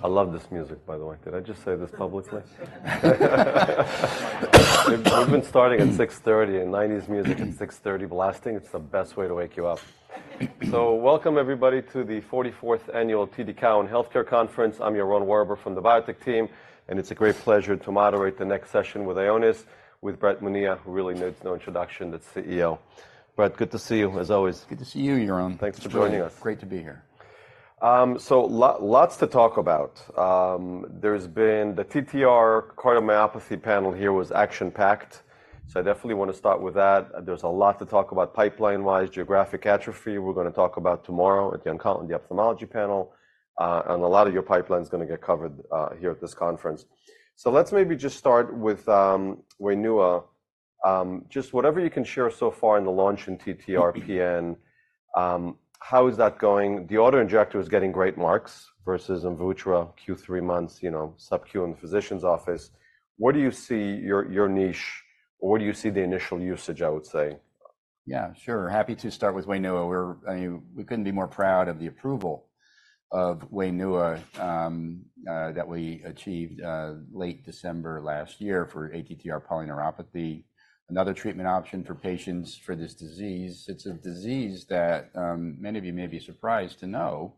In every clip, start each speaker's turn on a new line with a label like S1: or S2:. S1: So welcome everybody, to the 44th annual TD Cowen Healthcare Conference. I'm Yaron Werber from the Biotech team, and it's a great pleasure to moderate the next session with Ionis, with Brett Monia, who really needs no introduction, the CEO. Brett, good to see you, as always.
S2: Good to see you, Yaron.
S1: Thanks for joining us.
S2: Great to be here.
S1: So lots to talk about. The TTR cardiomyopathy panel here was action-packed, so I definitely wanna start with that. There's a lot to talk about pipeline-wise, geographic atrophy, we're gonna talk about tomorrow at the eye and the ophthalmology panel. And a lot of your pipeline's gonna get covered here at this conference. So let's maybe just start with WAINUA. Just whatever you can share so far in the launch in TTR-PN. How is that going? The auto-injector is getting great marks versus AMVUTTRA, Q3 months, you know, subQ in the physician's office. Where do you see your, your niche, or where do you see the initial usage, I would say?
S2: Yeah, sure. Happy to start with WAINUA. We couldn't be more proud of the approval of WAINUA that we achieved late December last year for ATTR polyneuropathy. Another treatment option for patients for this disease. It's a disease that many of you may be surprised to know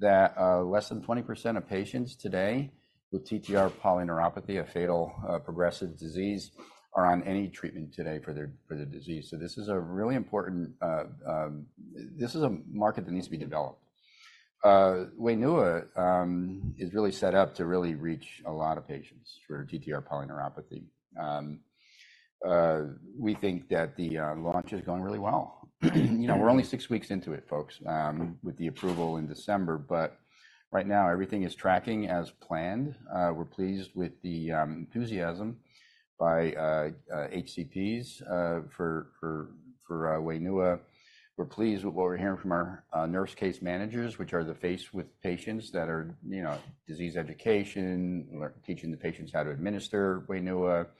S2: that less than 20% of patients today with TTR polyneuropathy, a fatal progressive disease, are on any treatment today for the disease. So this is a really important. This is a market that needs to be developed. WAINUA is really set up to really reach a lot of patients for TTR polyneuropathy. We think that the launch is going really well. You know, we're only six weeks into it, folks, with the approval in December, but right now everything is tracking as planned. We're pleased with the enthusiasm by HCPs for WAINUA. We're pleased with what we're hearing from our nurse case managers, which are the face with patients that are, you know, disease education, teaching the patients how to administer WAINUA, everything.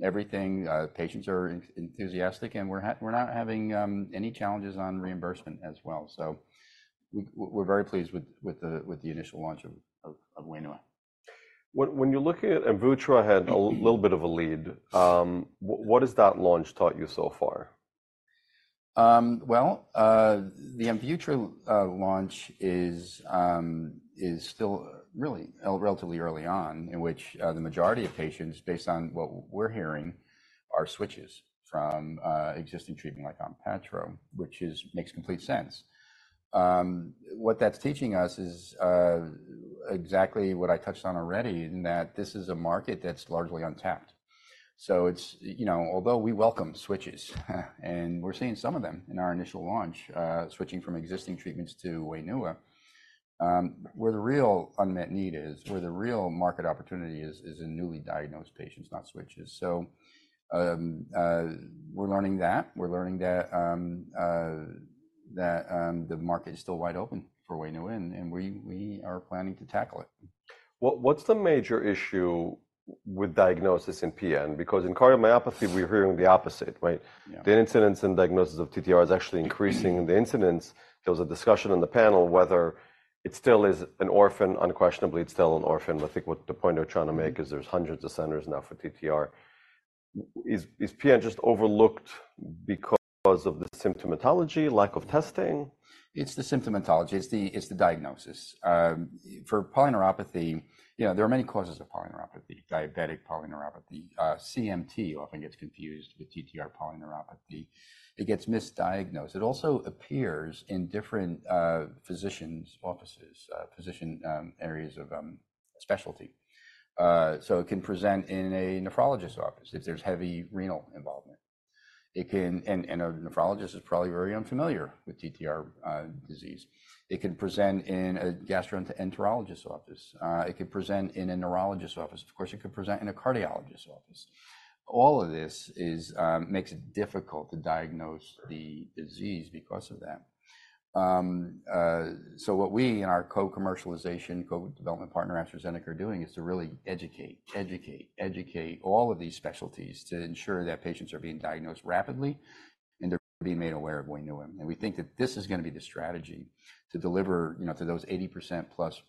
S2: Patients are enthusiastic, and we're not having any challenges on reimbursement as well. So we're very pleased with the initial launch of WAINUA.
S1: When, when you're looking at AMVUTTRA had a little bit of a lead, what has that launch taught you so far?
S2: Well, the AMVUTTRA launch is still really relatively early on, in which the majority of patients, based on what we're hearing, are switches from existing treatment like ONPATTRO, which makes complete sense. What that's teaching us is exactly what I touched on already, in that this is a market that's largely untapped. So it's, you know... Although we welcome switches, and we're seeing some of them in our initial launch, switching from existing treatments to WAINUA, where the real unmet need is, where the real market opportunity is, is in newly diagnosed patients, not switches. So, we're learning that. We're learning that, that the market is still wide open for WAINUA, and, and we, we are planning to tackle it.
S1: What's the major issue with diagnosis in PN? Because in cardiomyopathy, we're hearing the opposite, right? The incidence and diagnosis of TTR is actually increasing, and the incidence, there was a discussion on the panel, whether it still is an orphan. Unquestionably, it's still an orphan, but I think what the point they were trying to make is there's hundreds of centers now for TTR. Is PN just overlooked because of the symptomatology, lack of testing?
S2: It's the symptomatology, it's the diagnosis. For polyneuropathy, you know, there are many causes of polyneuropathy, diabetic polyneuropathy. CMT often gets confused with TTR polyneuropathy. It gets misdiagnosed. It also appears in different physicians' offices, physician areas of specialty. So it can present in a nephrologist's office if there's heavy renal involvement. And a nephrologist is probably very unfamiliar with TTR disease. It can present in a gastroenterologist's office. It could present in a neurologist's office. Of course, it could present in a cardiologist's office. All of this makes it difficult to diagnose the disease because of that. So what we and our co-commercialization, co-development partner, AstraZeneca, are doing is to really educate, educate, educate all of these specialties to ensure that patients are being diagnosed rapidly, and they're being made aware of WAINUA. And we think that this is gonna be the strategy to deliver, you know, to those 80%+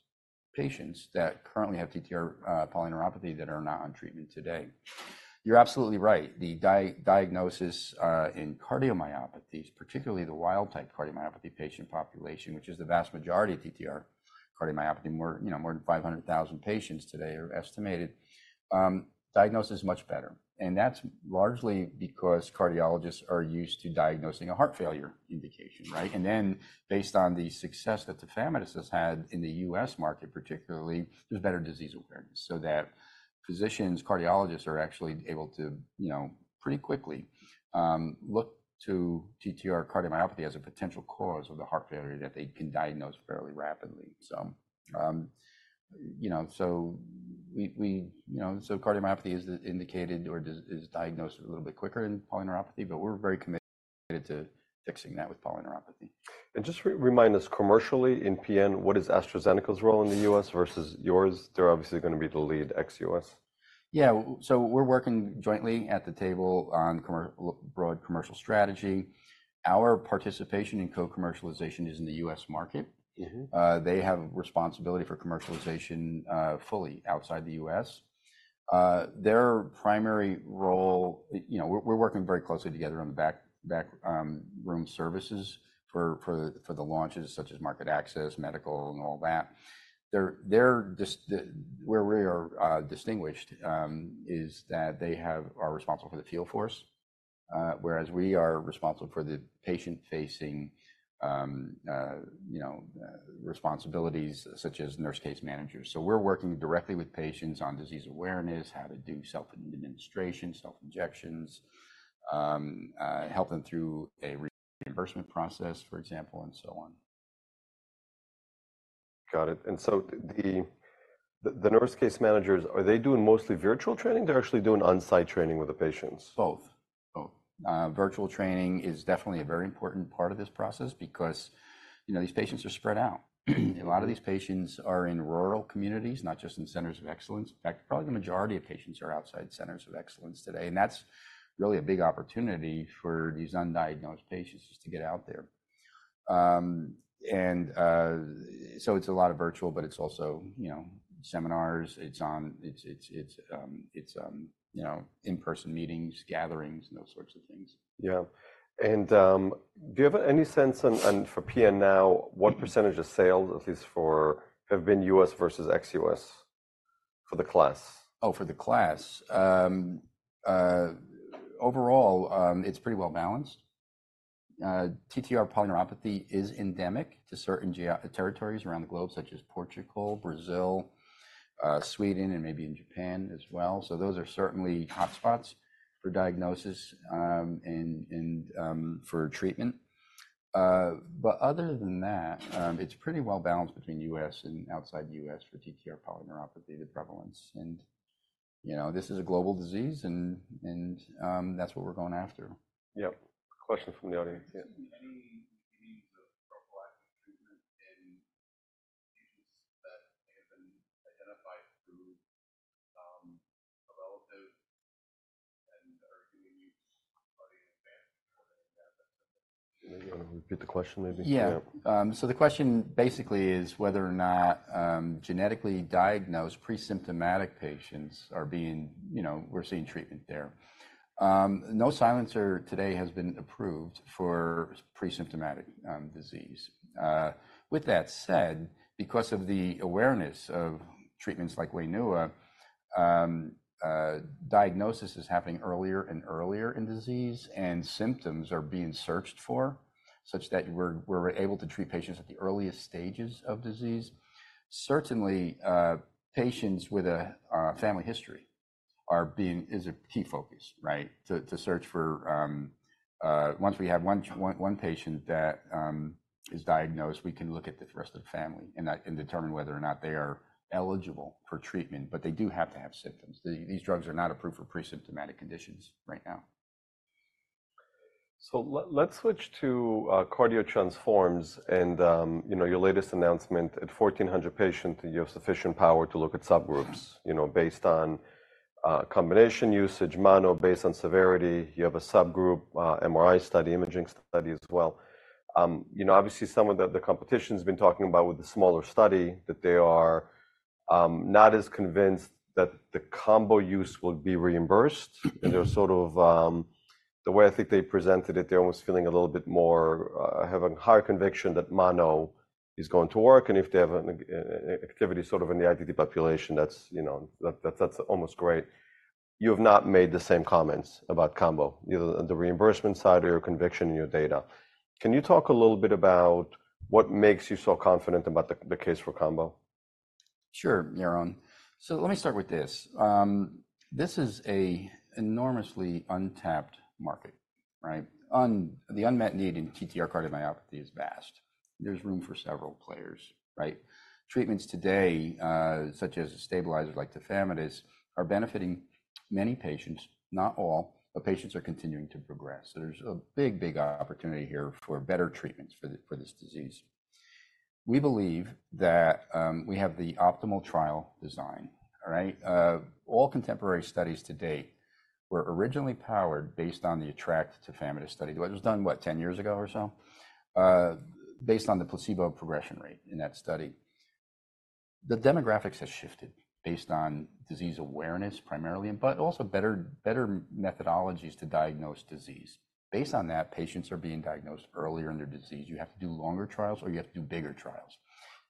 S2: patients that currently have TTR polyneuropathy that are not on treatment today. You're absolutely right. The diagnosis in cardiomyopathies, particularly the wild-type cardiomyopathy patient population, which is the vast majority of TTR cardiomyopathy, more than 500,000 patients today are estimated, diagnosis is much better. And that's largely because cardiologists are used to diagnosing a heart failure indication, right? Based on the success that tafamidis has had in the U.S. market particularly, there's better disease awareness, so that physicians, cardiologists, are actually able to, you know, pretty quickly look to TTR cardiomyopathy as a potential cause of the heart failure that they can diagnose fairly rapidly. So, you know, so we, we, you know, so cardiomyopathy is indicated or is, is diagnosed a little bit quicker in polyneuropathy, but we're very committed to fixing that with polyneuropathy.
S1: Just remind us, commercially in PN, what is AstraZeneca's role in the U.S. versus yours? They're obviously going to be the lead ex-U.S.
S2: Yeah. So we're working jointly at the table on broad commercial strategy. Our participation in co-commercialization is in the U.S. market. They have responsibility for commercialization fully outside the U.S. Their primary role... You know, we're working very closely together on the back room services for the launches, such as market access, medical, and all that. They're distinguished where we are distinguished is that they are responsible for the field force, whereas we are responsible for the patient-facing, you know, responsibilities, such as nurse case managers. So we're working directly with patients on disease awareness, how to do self-administration, self-injections, help them through a reimbursement process, for example, and so on.
S1: Got it. And so the nurse case managers, are they doing mostly virtual training, or they're actually doing on-site training with the patients?
S2: Both. Both. Virtual training is definitely a very important part of this process because, you know, these patients are spread out. A lot of these patients are in rural communities, not just in centers of excellence. In fact, probably the majority of patients are outside centers of excellence today, and that's really a big opportunity for these undiagnosed patients just to get out there. So it's a lot of virtual, but it's also, you know, seminars. You know, in-person meetings, gatherings, and those sorts of things.
S1: Yeah. And, do you have any sense, and for PN now, what percentage of sales, at least for... have been U.S. versus ex-U.S. for the class?
S2: Oh, for the class? Overall, it's pretty well balanced. TTR polyneuropathy is endemic to certain geographic territories around the globe, such as Portugal, Brazil, Sweden, and maybe in Japan as well. So those are certainly hotspots for diagnosis, and for treatment. But other than that, it's pretty well balanced between U.S. and outside the U.S. for TTR polyneuropathy, the prevalence. And, you know, this is a global disease, and that's what we're going after.
S1: Yep. Question from the audience. Yeah. You want to repeat the question maybe?
S2: So the question basically is whether or not, genetically diagnosed presymptomatic patients are being... You know, we're seeing treatment there. No silencer today has been approved for presymptomatic disease. With that said, because of the awareness of treatments like WAINUA, diagnosis is happening earlier and earlier in disease, and symptoms are being searched for, such that we're able to treat patients at the earliest stages of disease. Certainly, patients with a family history are being-- is a key focus, right? To search for, once we have one patient that is diagnosed, we can look at the rest of the family, and determine whether or not they are eligible for treatment, but they do have to have symptoms. These drugs are not approved for presymptomatic conditions right now.
S1: So, let's switch to CARDIO-TTRansform and, you know, your latest announcement. At 1,400 patients, you have sufficient power to look at subgroups, you know, based on combination usage, mono, based on severity. You have a subgroup MRI study, imaging study as well. You know, obviously, some of the competition's been talking about with the smaller study, that they are not as convinced that the combo use will be reimbursed. And they're sort of... The way I think they presented it, they're almost feeling a little bit more have a higher conviction that mono is going to work, and if they have an activity sort of in the ITT population, that's, you know, that's almost great. You have not made the same comments about combo, either the reimbursement side or your conviction in your data. Can you talk a little bit about what makes you so confident about the case for combo?
S2: Sure, Yaron. So let me start with this. This is an enormously untapped market, right? The unmet need in TTR cardiomyopathy is vast. There's room for several players, right? Treatments today, such as a stabilizer like tafamidis, are benefiting many patients, not all, but patients are continuing to progress. So there's a big, big opportunity here for better treatments for this disease. We believe that we have the optimal trial design. All right? All contemporary studies to date were originally powered based on the ATTR-ACT tafamidis study, which was done, what, 10 years ago or so? Based on the placebo progression rate in that study. The demographics have shifted based on disease awareness, primarily, but also better methodologies to diagnose disease. Based on that, patients are being diagnosed earlier in their disease. You have to do longer trials, or you have to do bigger trials.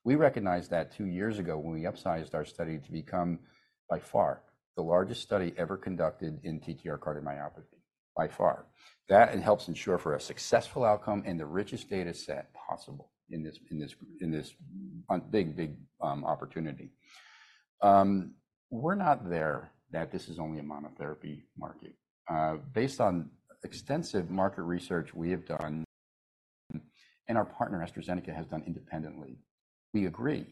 S2: We recognized that two years ago when we upsized our study to become, by far, the largest study ever conducted in TTR cardiomyopathy. By far. That it helps ensure for a successful outcome and the richest data set possible in this big opportunity. We're not there, that this is only a monotherapy market. Based on extensive market research we have done and our partner, AstraZeneca, has done independently. We agree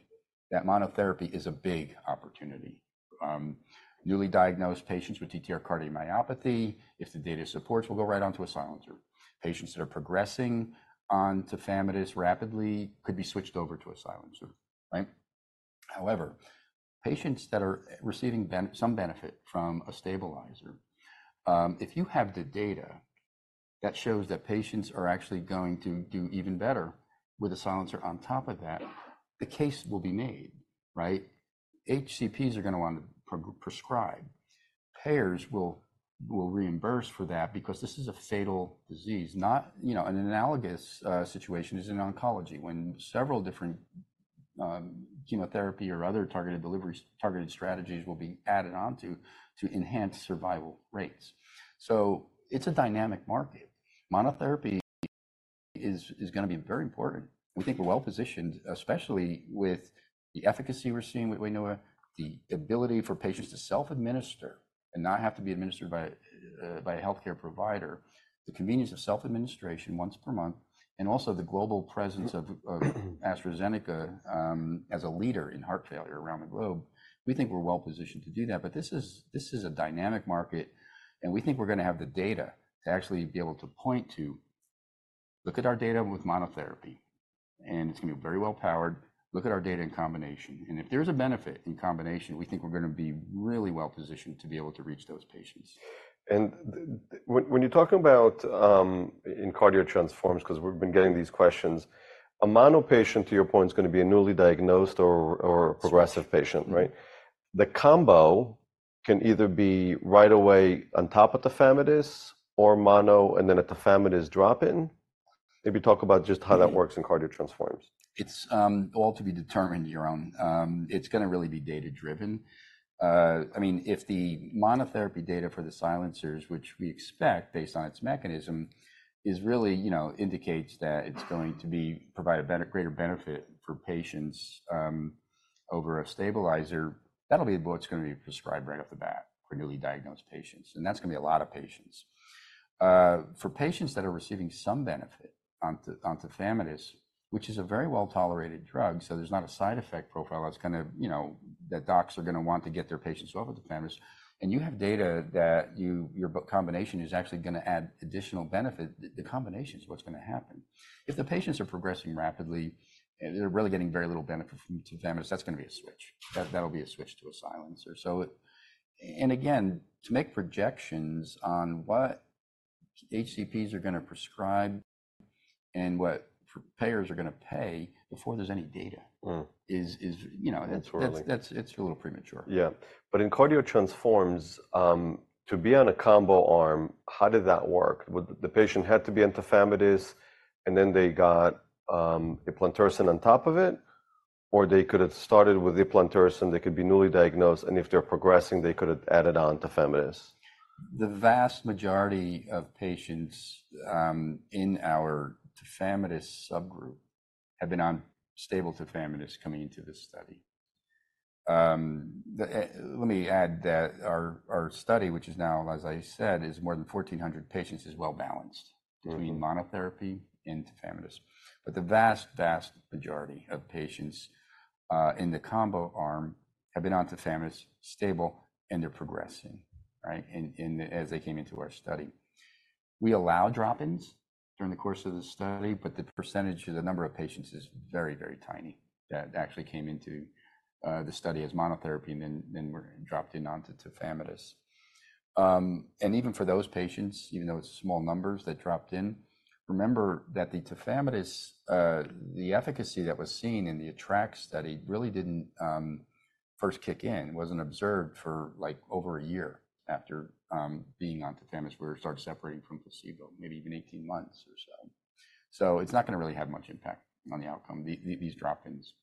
S2: that monotherapy is a big opportunity. Newly diagnosed patients with TTR cardiomyopathy, if the data supports, will go right onto a silencer. Patients that are progressing on tafamidis rapidly could be switched over to a silencer, right? However, patients that are receiving some benefit from a stabilizer, if you have the data that shows that patients are actually going to do even better with a silencer on top of that, the case will be made, right? HCPs are going to want to prescribe. Payers will reimburse for that because this is a fatal disease, not, you know... An analogous situation is in oncology, when several different chemotherapy or other targeted delivery, targeted strategies will be added onto to enhance survival rates. So it's a dynamic market. Monotherapy is going to be very important. We think we're well-positioned, especially with the efficacy we're seeing with WAINUA, the ability for patients to self-administer and not have to be administered by a healthcare provider, the convenience of self-administration once per month, and also the global presence of AstraZeneca as a leader in heart failure around the globe. We think we're well positioned to do that. But this is a dynamic market, and we think we're going to have the data to actually be able to point to: look at our data with monotherapy, and it's going to be very well-powered. Look at our data in combination, and if there's a benefit in combination, we think we're going to be really well positioned to be able to reach those patients.
S1: When you're talking about in CARDIO-TTRansform, because we've been getting these questions, a mono patient, to your point, is going to be a newly diagnosed or progressive patient, right? The combo can either be right away on top of tafamidis or mono, and then a tafamidis drop-in. Maybe talk about just how that works in CARDIO-TTRansform.
S2: It's all to be determined, Yaron. It's going to really be data driven. I mean, if the monotherapy data for the silencers, which we expect, based on its mechanism, is really, you know, indicates that it's going to provide greater benefit for patients, over a stabilizer, that'll be what's going to be prescribed right off the bat for newly diagnosed patients, and that's going to be a lot of patients. For patients that are receiving some benefit on tafamidis, which is a very well-tolerated drug, so there's not a side effect profile that's going to, you know, that docs are going to want to get their patients off of tafamidis, and you have data that your combination is actually going to add additional benefit, the combination is what's going to happen. If the patients are progressing rapidly and they're really getting very little benefit from tafamidis, that's going to be a switch. That, that will be a switch to a silencer. So it... And again, to make projections on what HCPs are going to prescribe and what payers are going to pay before there's any data is, you know, That's, it's a little premature.
S1: Yeah. But in CARDIO-TTRansform, to be on a combo arm, how did that work? Would the patient had to be on tafamidis, and then they got, eplontersen on top of it? Or they could have started with eplontersen, they could be newly diagnosed, and if they're progressing, they could have added on tafamidis.
S2: The vast majority of patients in our tafamidis subgroup had been on stable tafamidis coming into this study. Let me add that our study, which is now, as I said, is more than 1,400 patients, is well balanced- between monotherapy and tafamidis. But the vast, vast majority of patients in the combo arm have been on tafamidis, stable, and they're progressing, right? In, as they came into our study. We allow drop-ins during the course of the study, but the percentage or the number of patients is very, very tiny, that actually came into the study as monotherapy and then were dropped in onto tafamidis. And even for those patients, even though it's small numbers that dropped in, remember that the tafamidis, the efficacy that was seen in the ATTR-ACT study really didn't first kick in, wasn't observed for, like, over a year after being on tafamidis, where it started separating from placebo, maybe even 18 months or so. So it's not going to really have much impact on the outcome, the, these drop-ins.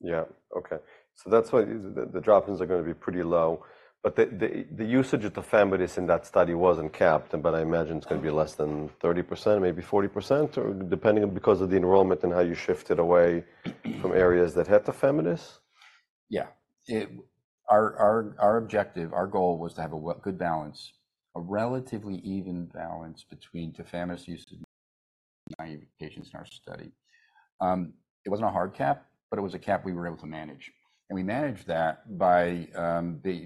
S1: Yeah. Okay. So that's why the drop-ins are going to be pretty low, but the usage of tafamidis in that study wasn't capped, but I imagine it's going to be less than 30%, maybe 40%, or depending on because of the enrollment and how you shifted away from areas that had tafamidis?
S2: Yeah. Our objective, our goal was to have a good balance, a relatively even balance between tafamidis usage in naive patients in our study. It wasn't a hard cap, but it was a cap we were able to manage, and we managed that by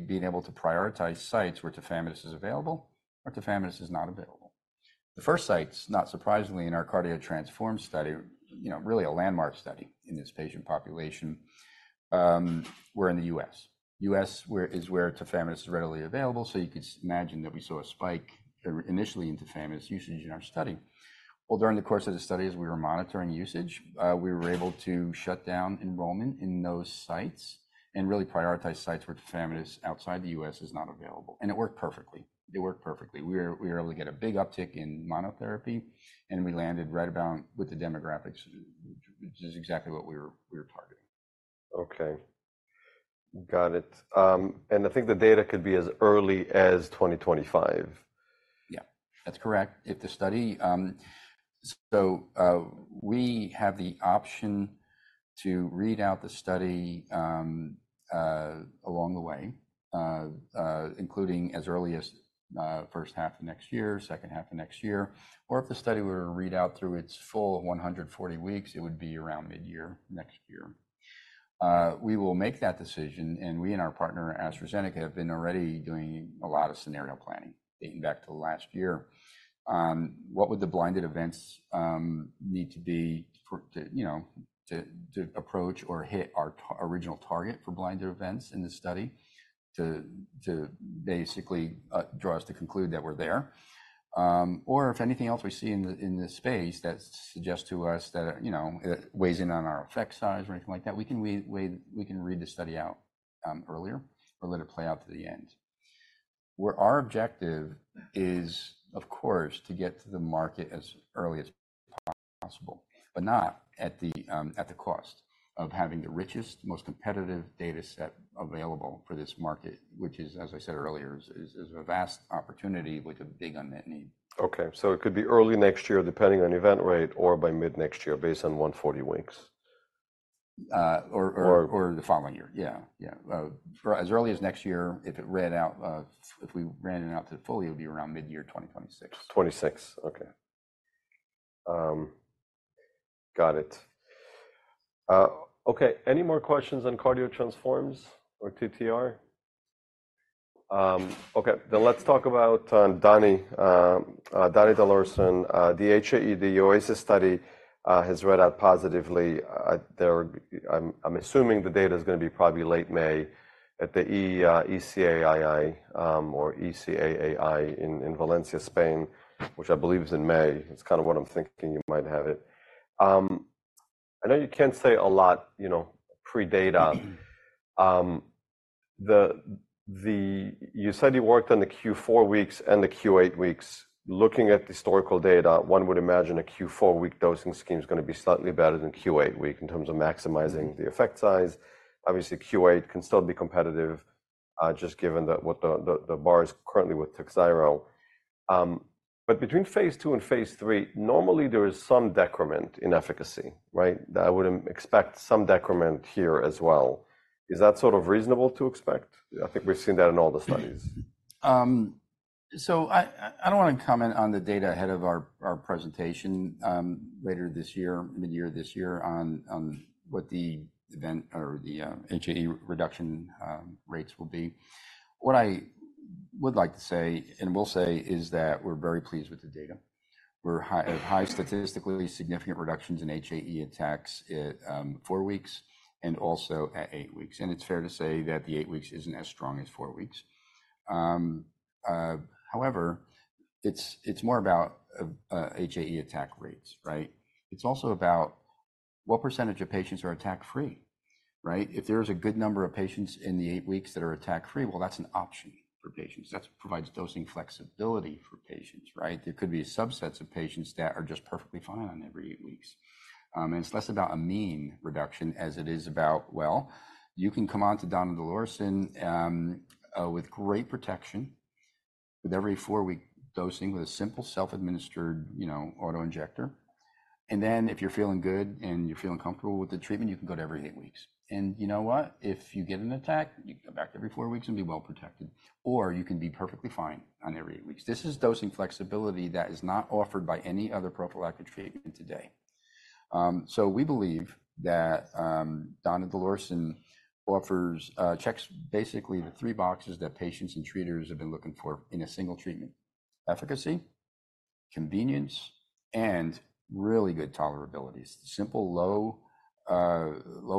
S2: being able to prioritize sites where tafamidis is available, where tafamidis is not available. The first sites, not surprisingly, in our CARDIO-TTRansform study, you know, really a landmark study in this patient population, were in the U.S., where tafamidis is readily available, so you could imagine that we saw a spike initially in tafamidis usage in our study. Well, during the course of the study, as we were monitoring usage, we were able to shut down enrollment in those sites and really prioritize sites where tafamidis outside the U.S. is not available, and it worked perfectly. It worked perfectly. We were able to get a big uptick in monotherapy, and we landed right about with the demographics, which is exactly what we were targeting.
S1: Okay. Got it. And I think the data could be as early as 2025?
S2: Yeah, that's correct. If the study, so, we have the option to read out the study, along the way, including as early as first half of next year, second half of next year, or if the study were to read out through its full 140 weeks, it would be around mid-year next year. We will make that decision, and we and our partner, AstraZeneca, have been already doing a lot of scenario planning dating back to last year. What would the blinded events need to be for to, you know, to, to approach or hit our original target for blinded events in this study to basically draw us to conclude that we're there? Or if anything else we see in this space that suggests to us that, you know, it weighs in on our effect size or anything like that, we can read the study out earlier or let it play out to the end. Where our objective is, of course, to get to the market as early as possible, but not at the cost of having the richest, most competitive data set available for this market, which is, as I said earlier, a vast opportunity with a big unmet need.
S1: Okay, so it could be early next year, depending on event rate, or by mid-next year, based on 140 weeks.
S2: Uh, or, the following year. Yeah, yeah. As early as next year, if it read out, if we ran it out to full, it would be around mid-year 2026.
S1: 2026. Okay. Got it. Okay, any more questions on CARDIO-TTRansform or TTR? Okay, then let's talk about donidalorsen. The HAE, the OASIS study, has read out positively. I'm assuming the data is gonna be probably late May at the EAACI in Valencia, Spain, which I believe is in May. It's kind of what I'm thinking you might have it. I know you can't say a lot, you know, pre-data. You said you worked on the Q4 weeks and the Q8 weeks. Looking at the historical data, one would imagine a Q4-week dosing scheme is gonna be slightly better than Q8 week in terms of maximizing the effect size. Obviously, Q8 can still be competitive, just given that what the bar is currently with TAKHZYRO. Between phase II and phase III, normally there is some decrement in efficacy, right? I would expect some decrement here as well. Is that sort of reasonable to expect? I think we've seen that in all the studies.
S2: So I don't want to comment on the data ahead of our presentation later this year, mid-year this year, on what the event or the HAE reduction rates will be. What I would like to say, and will say, is that we're very pleased with the data. We have highly statistically significant reductions in HAE attacks at 4 weeks and also at 8 weeks, and it's fair to say that the 8 weeks isn't as strong as 4 weeks. However, it's more about HAE attack rates, right? It's also about what percentage of patients are attack-free, right? If there is a good number of patients in the 8 weeks that are attack-free, well, that's an option for patients. That provides dosing flexibility for patients, right? There could be subsets of patients that are just perfectly fine on every eight weeks. And it's less about a mean reduction as it is about, well, you can come on to donidalorsen, with great protection, with every four-week dosing, with a simple self-administered, you know, auto-injector. And then, if you're feeling good and you're feeling comfortable with the treatment, you can go to every eight weeks. And you know what? If you get an attack, you can come back to every four weeks and be well protected, or you can be perfectly fine on every eight weeks. This is dosing flexibility that is not offered by any other prophylactic treatment today. So we believe that donidalorsen offers checks basically the three boxes that patients and treaters have been looking for in a single treatment: efficacy, convenience, and really good tolerability. Simple, low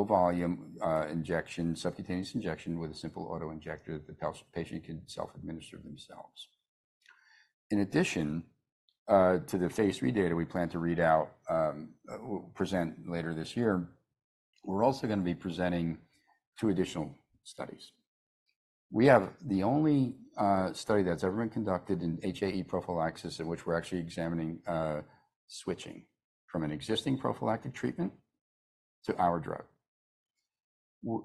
S2: volume injection, subcutaneous injection with a simple auto-injector that the patient can self-administer themselves. In addition to the phase III data we plan to read out, we'll present later this year, we're also gonna be presenting two additional studies. We have the only study that's ever been conducted in HAE prophylaxis, in which we're actually examining switching from an existing prophylactic treatment to our drug.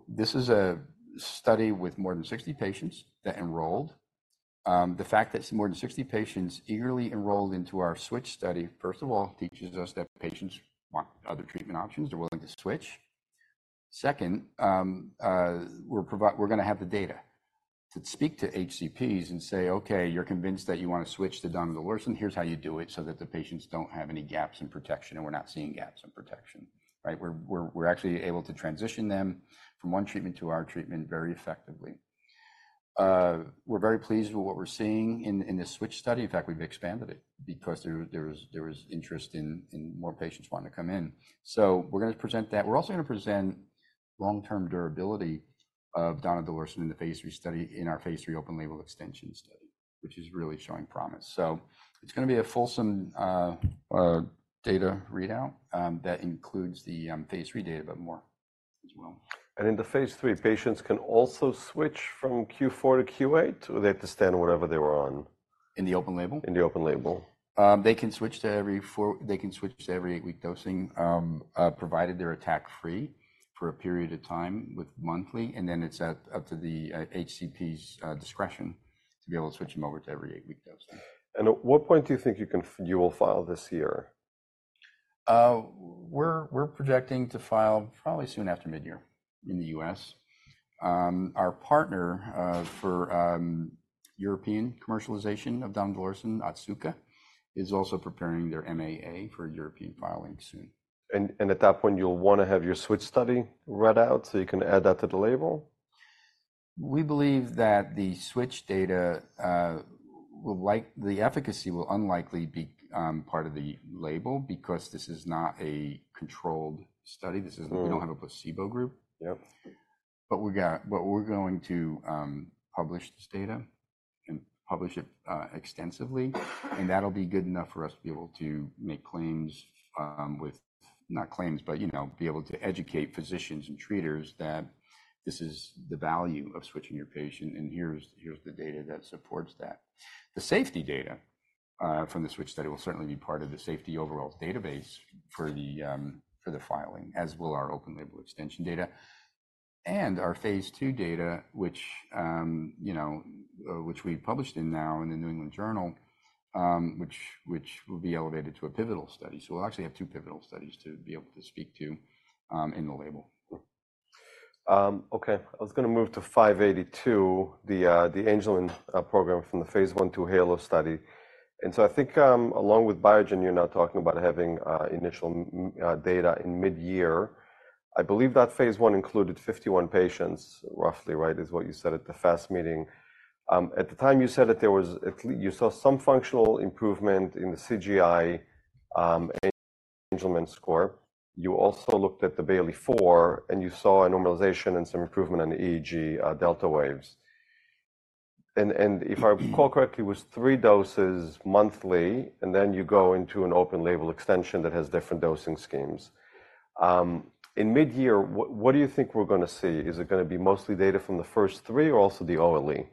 S2: This is a study with more than 60 patients that enrolled. The fact that more than 60 patients eagerly enrolled into our switch study, first of all, teaches us that patients want other treatment options, they're willing to switch. Second, we're gonna have the data to speak to HCPs and say, "Okay, you're convinced that you want to switch to donidalorsen. Here's how you do it so that the patients don't have any gaps in protection," and we're not seeing gaps in protection, right? We're actually able to transition them from one treatment to our treatment very effectively. We're very pleased with what we're seeing in this switch study. In fact, we've expanded it because there was interest in more patients wanting to come in. So we're gonna present that. We're also gonna present long-term durability of donidalorsen in the phase III study, in our phase III open-label extension study, which is really showing promise. So it's gonna be a fulsome data readout that includes the phase III data, but more as well.
S1: In the phase III, patients can also switch from Q4 to Q8, or they have to stay on whatever they were on?
S2: In the open-label?
S1: In the open-label.
S2: They can switch to every eight-week dosing, provided they're attack-free for a period of time with monthly, and then it's up to the HCP's discretion to be able to switch them over to every eight-week dosing.
S1: And at what point do you think you will file this year?
S2: We're projecting to file probably soon after midyear in the U.S. Our partner for European commercialization of donidalorsen, Otsuka, is also preparing their MAA for European filing soon.
S1: And at that point, you'll want to have your switch study read out, so you can add that to the label?
S2: We believe that the switch data will, like, the efficacy will unlikely be part of the label because this is not a controlled study. We don't have a placebo group. But we're going to publish this data and publish it extensively. And that'll be good enough for us to be able to make claims with... Not claims, but, you know, be able to educate physicians and treaters that this is the value of switching your patient, and here's the data that supports that. The safety data from the switch study will certainly be part of the overall safety database for the filing, as will our open label extension data and our phase II data, which, you know, we published now in the New England Journal, which will be elevated to a pivotal study. So we'll actually have two pivotal studies to be able to speak to in the label.
S1: Okay. I was gonna move to 582, the Angelman program from the phase I/II HALO study. And so I think, along with Biogen, you're now talking about having initial data in midyear. I believe that phase I included 51 patients, roughly, right? Is what you said at the FAST meeting. At the time, you said that there was a you saw some functional improvement in the CGI Angelman score. You also looked at the Bayley-4, and you saw a normalization and some improvement in the EEG delta waves. And if I recall correctly, it was 3 doses monthly, and then you go into an open label extension that has different dosing schemes. In midyear, what do you think we're gonna see? Is it gonna be mostly data from the first three or also the OLE?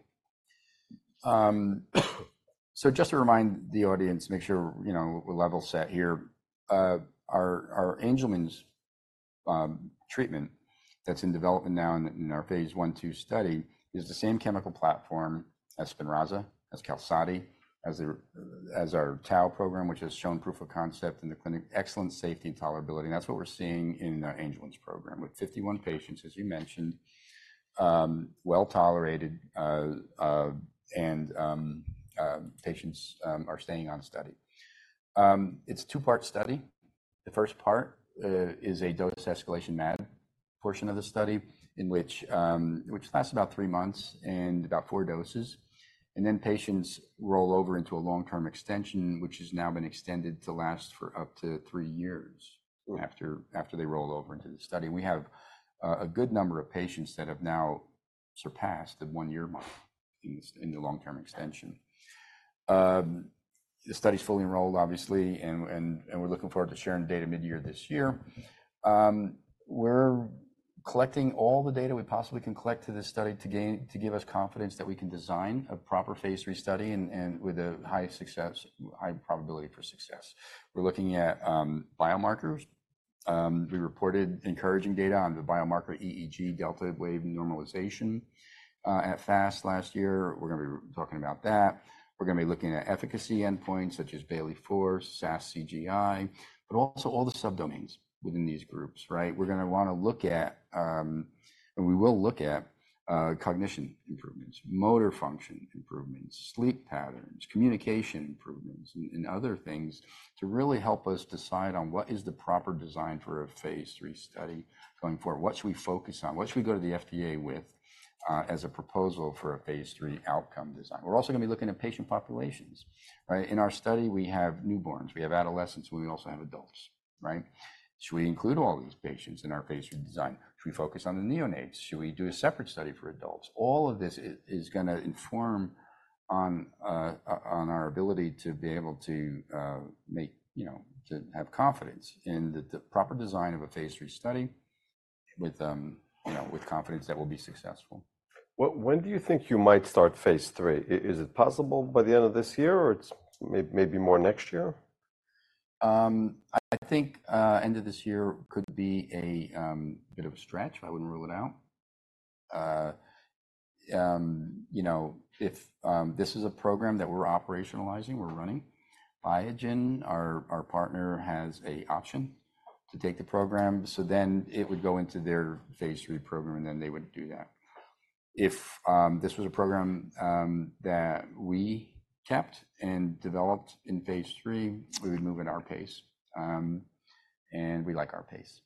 S2: So just to remind the audience, make sure, you know, we're level set here. Our Angelman's treatment that's in development now in our phase I/II study is the same chemical platform as SPINRAZA, as QALSODY, as our tau program, which has shown proof of concept in the clinic, excellent safety and tolerability. That's what we're seeing in the Angelman's program with 51 patients, as you mentioned, well tolerated, and patients are staying on study. It's a 2-part study. The first part is a dose escalation MAD portion of the study, in which lasts about 3 months and about 4 doses. Then patients roll over into a long-term extension, which has now been extended to last for up to 3 years after, after they roll over into the study. We have a good number of patients that have now surpassed the one-year mark in the long-term extension. The study's fully enrolled, obviously, and we're looking forward to sharing data midyear this year. We're collecting all the data we possibly can collect to this study to give us confidence that we can design a proper phase III study and with a high success, high probability for success. We're looking at biomarkers. We reported encouraging data on the biomarker EEG delta wave normalization at FAST last year. We're gonna be talking about that. We're gonna be looking at efficacy endpoints such as Bayley-4, SAS, CGI, but also all the subdomains within these groups, right? We're gonna wanna look at, and we will look at, cognition improvements, motor function improvements, sleep patterns, communication improvements, and, and other things to really help us decide on what is the proper design for a phase III study going forward. What should we focus on? What should we go to the FDA with, as a proposal for a phase III outcome design? We're also gonna be looking at patient populations, right? In our study, we have newborns, we have adolescents, we also have adults, right? Should we include all these patients in our phase III design? Should we focus on the neonates? Should we do a separate study for adults? All of this is gonna inform on our ability to be able to make, you know, to have confidence in the proper design of a phase III study with, you know, with confidence that we'll be successful.
S1: When do you think you might start phase III? Is it possible by the end of this year, or is it maybe more next year?
S2: I think end of this year could be a bit of a stretch. I wouldn't rule it out. You know, if this is a program that we're operationalizing, we're running, Biogen, our partner, has an option to take the program, so then it would go into their phase III program, and then they would do that. If this was a program that we kept and developed in phase III, we would move at our pace. We like our pace.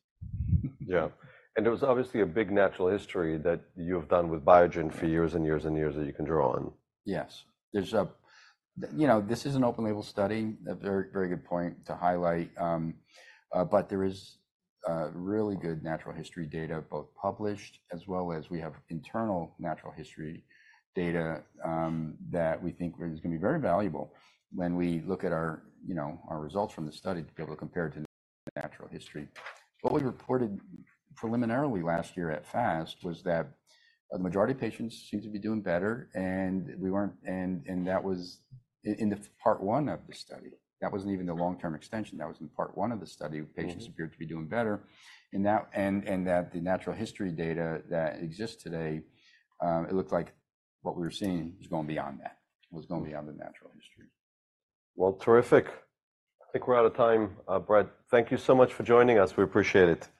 S1: Yeah. There was obviously a big natural history that you have done with Biogen for years and years and years that you can draw on.
S2: Yes. There's a... You know, this is an open-label study, a very, very good point to highlight. But there is really good natural history data, both published, as well as we have internal natural history data, that we think is gonna be very valuable when we look at our, you know, our results from the study to be able to compare it to natural history. What we reported preliminarily last year at FAST was that a majority of patients seem to be doing better, and we weren't... And that was in part one of the study. That wasn't even the long-term extension, that was in part one of the study patients appeared to be doing better. And that the natural history data that exists today, it looked like what we were seeing was going beyond that, was going beyond the natural history.
S1: Well, terrific. I think we're out of time, Brett. Thank you so much for joining us. We appreciate it.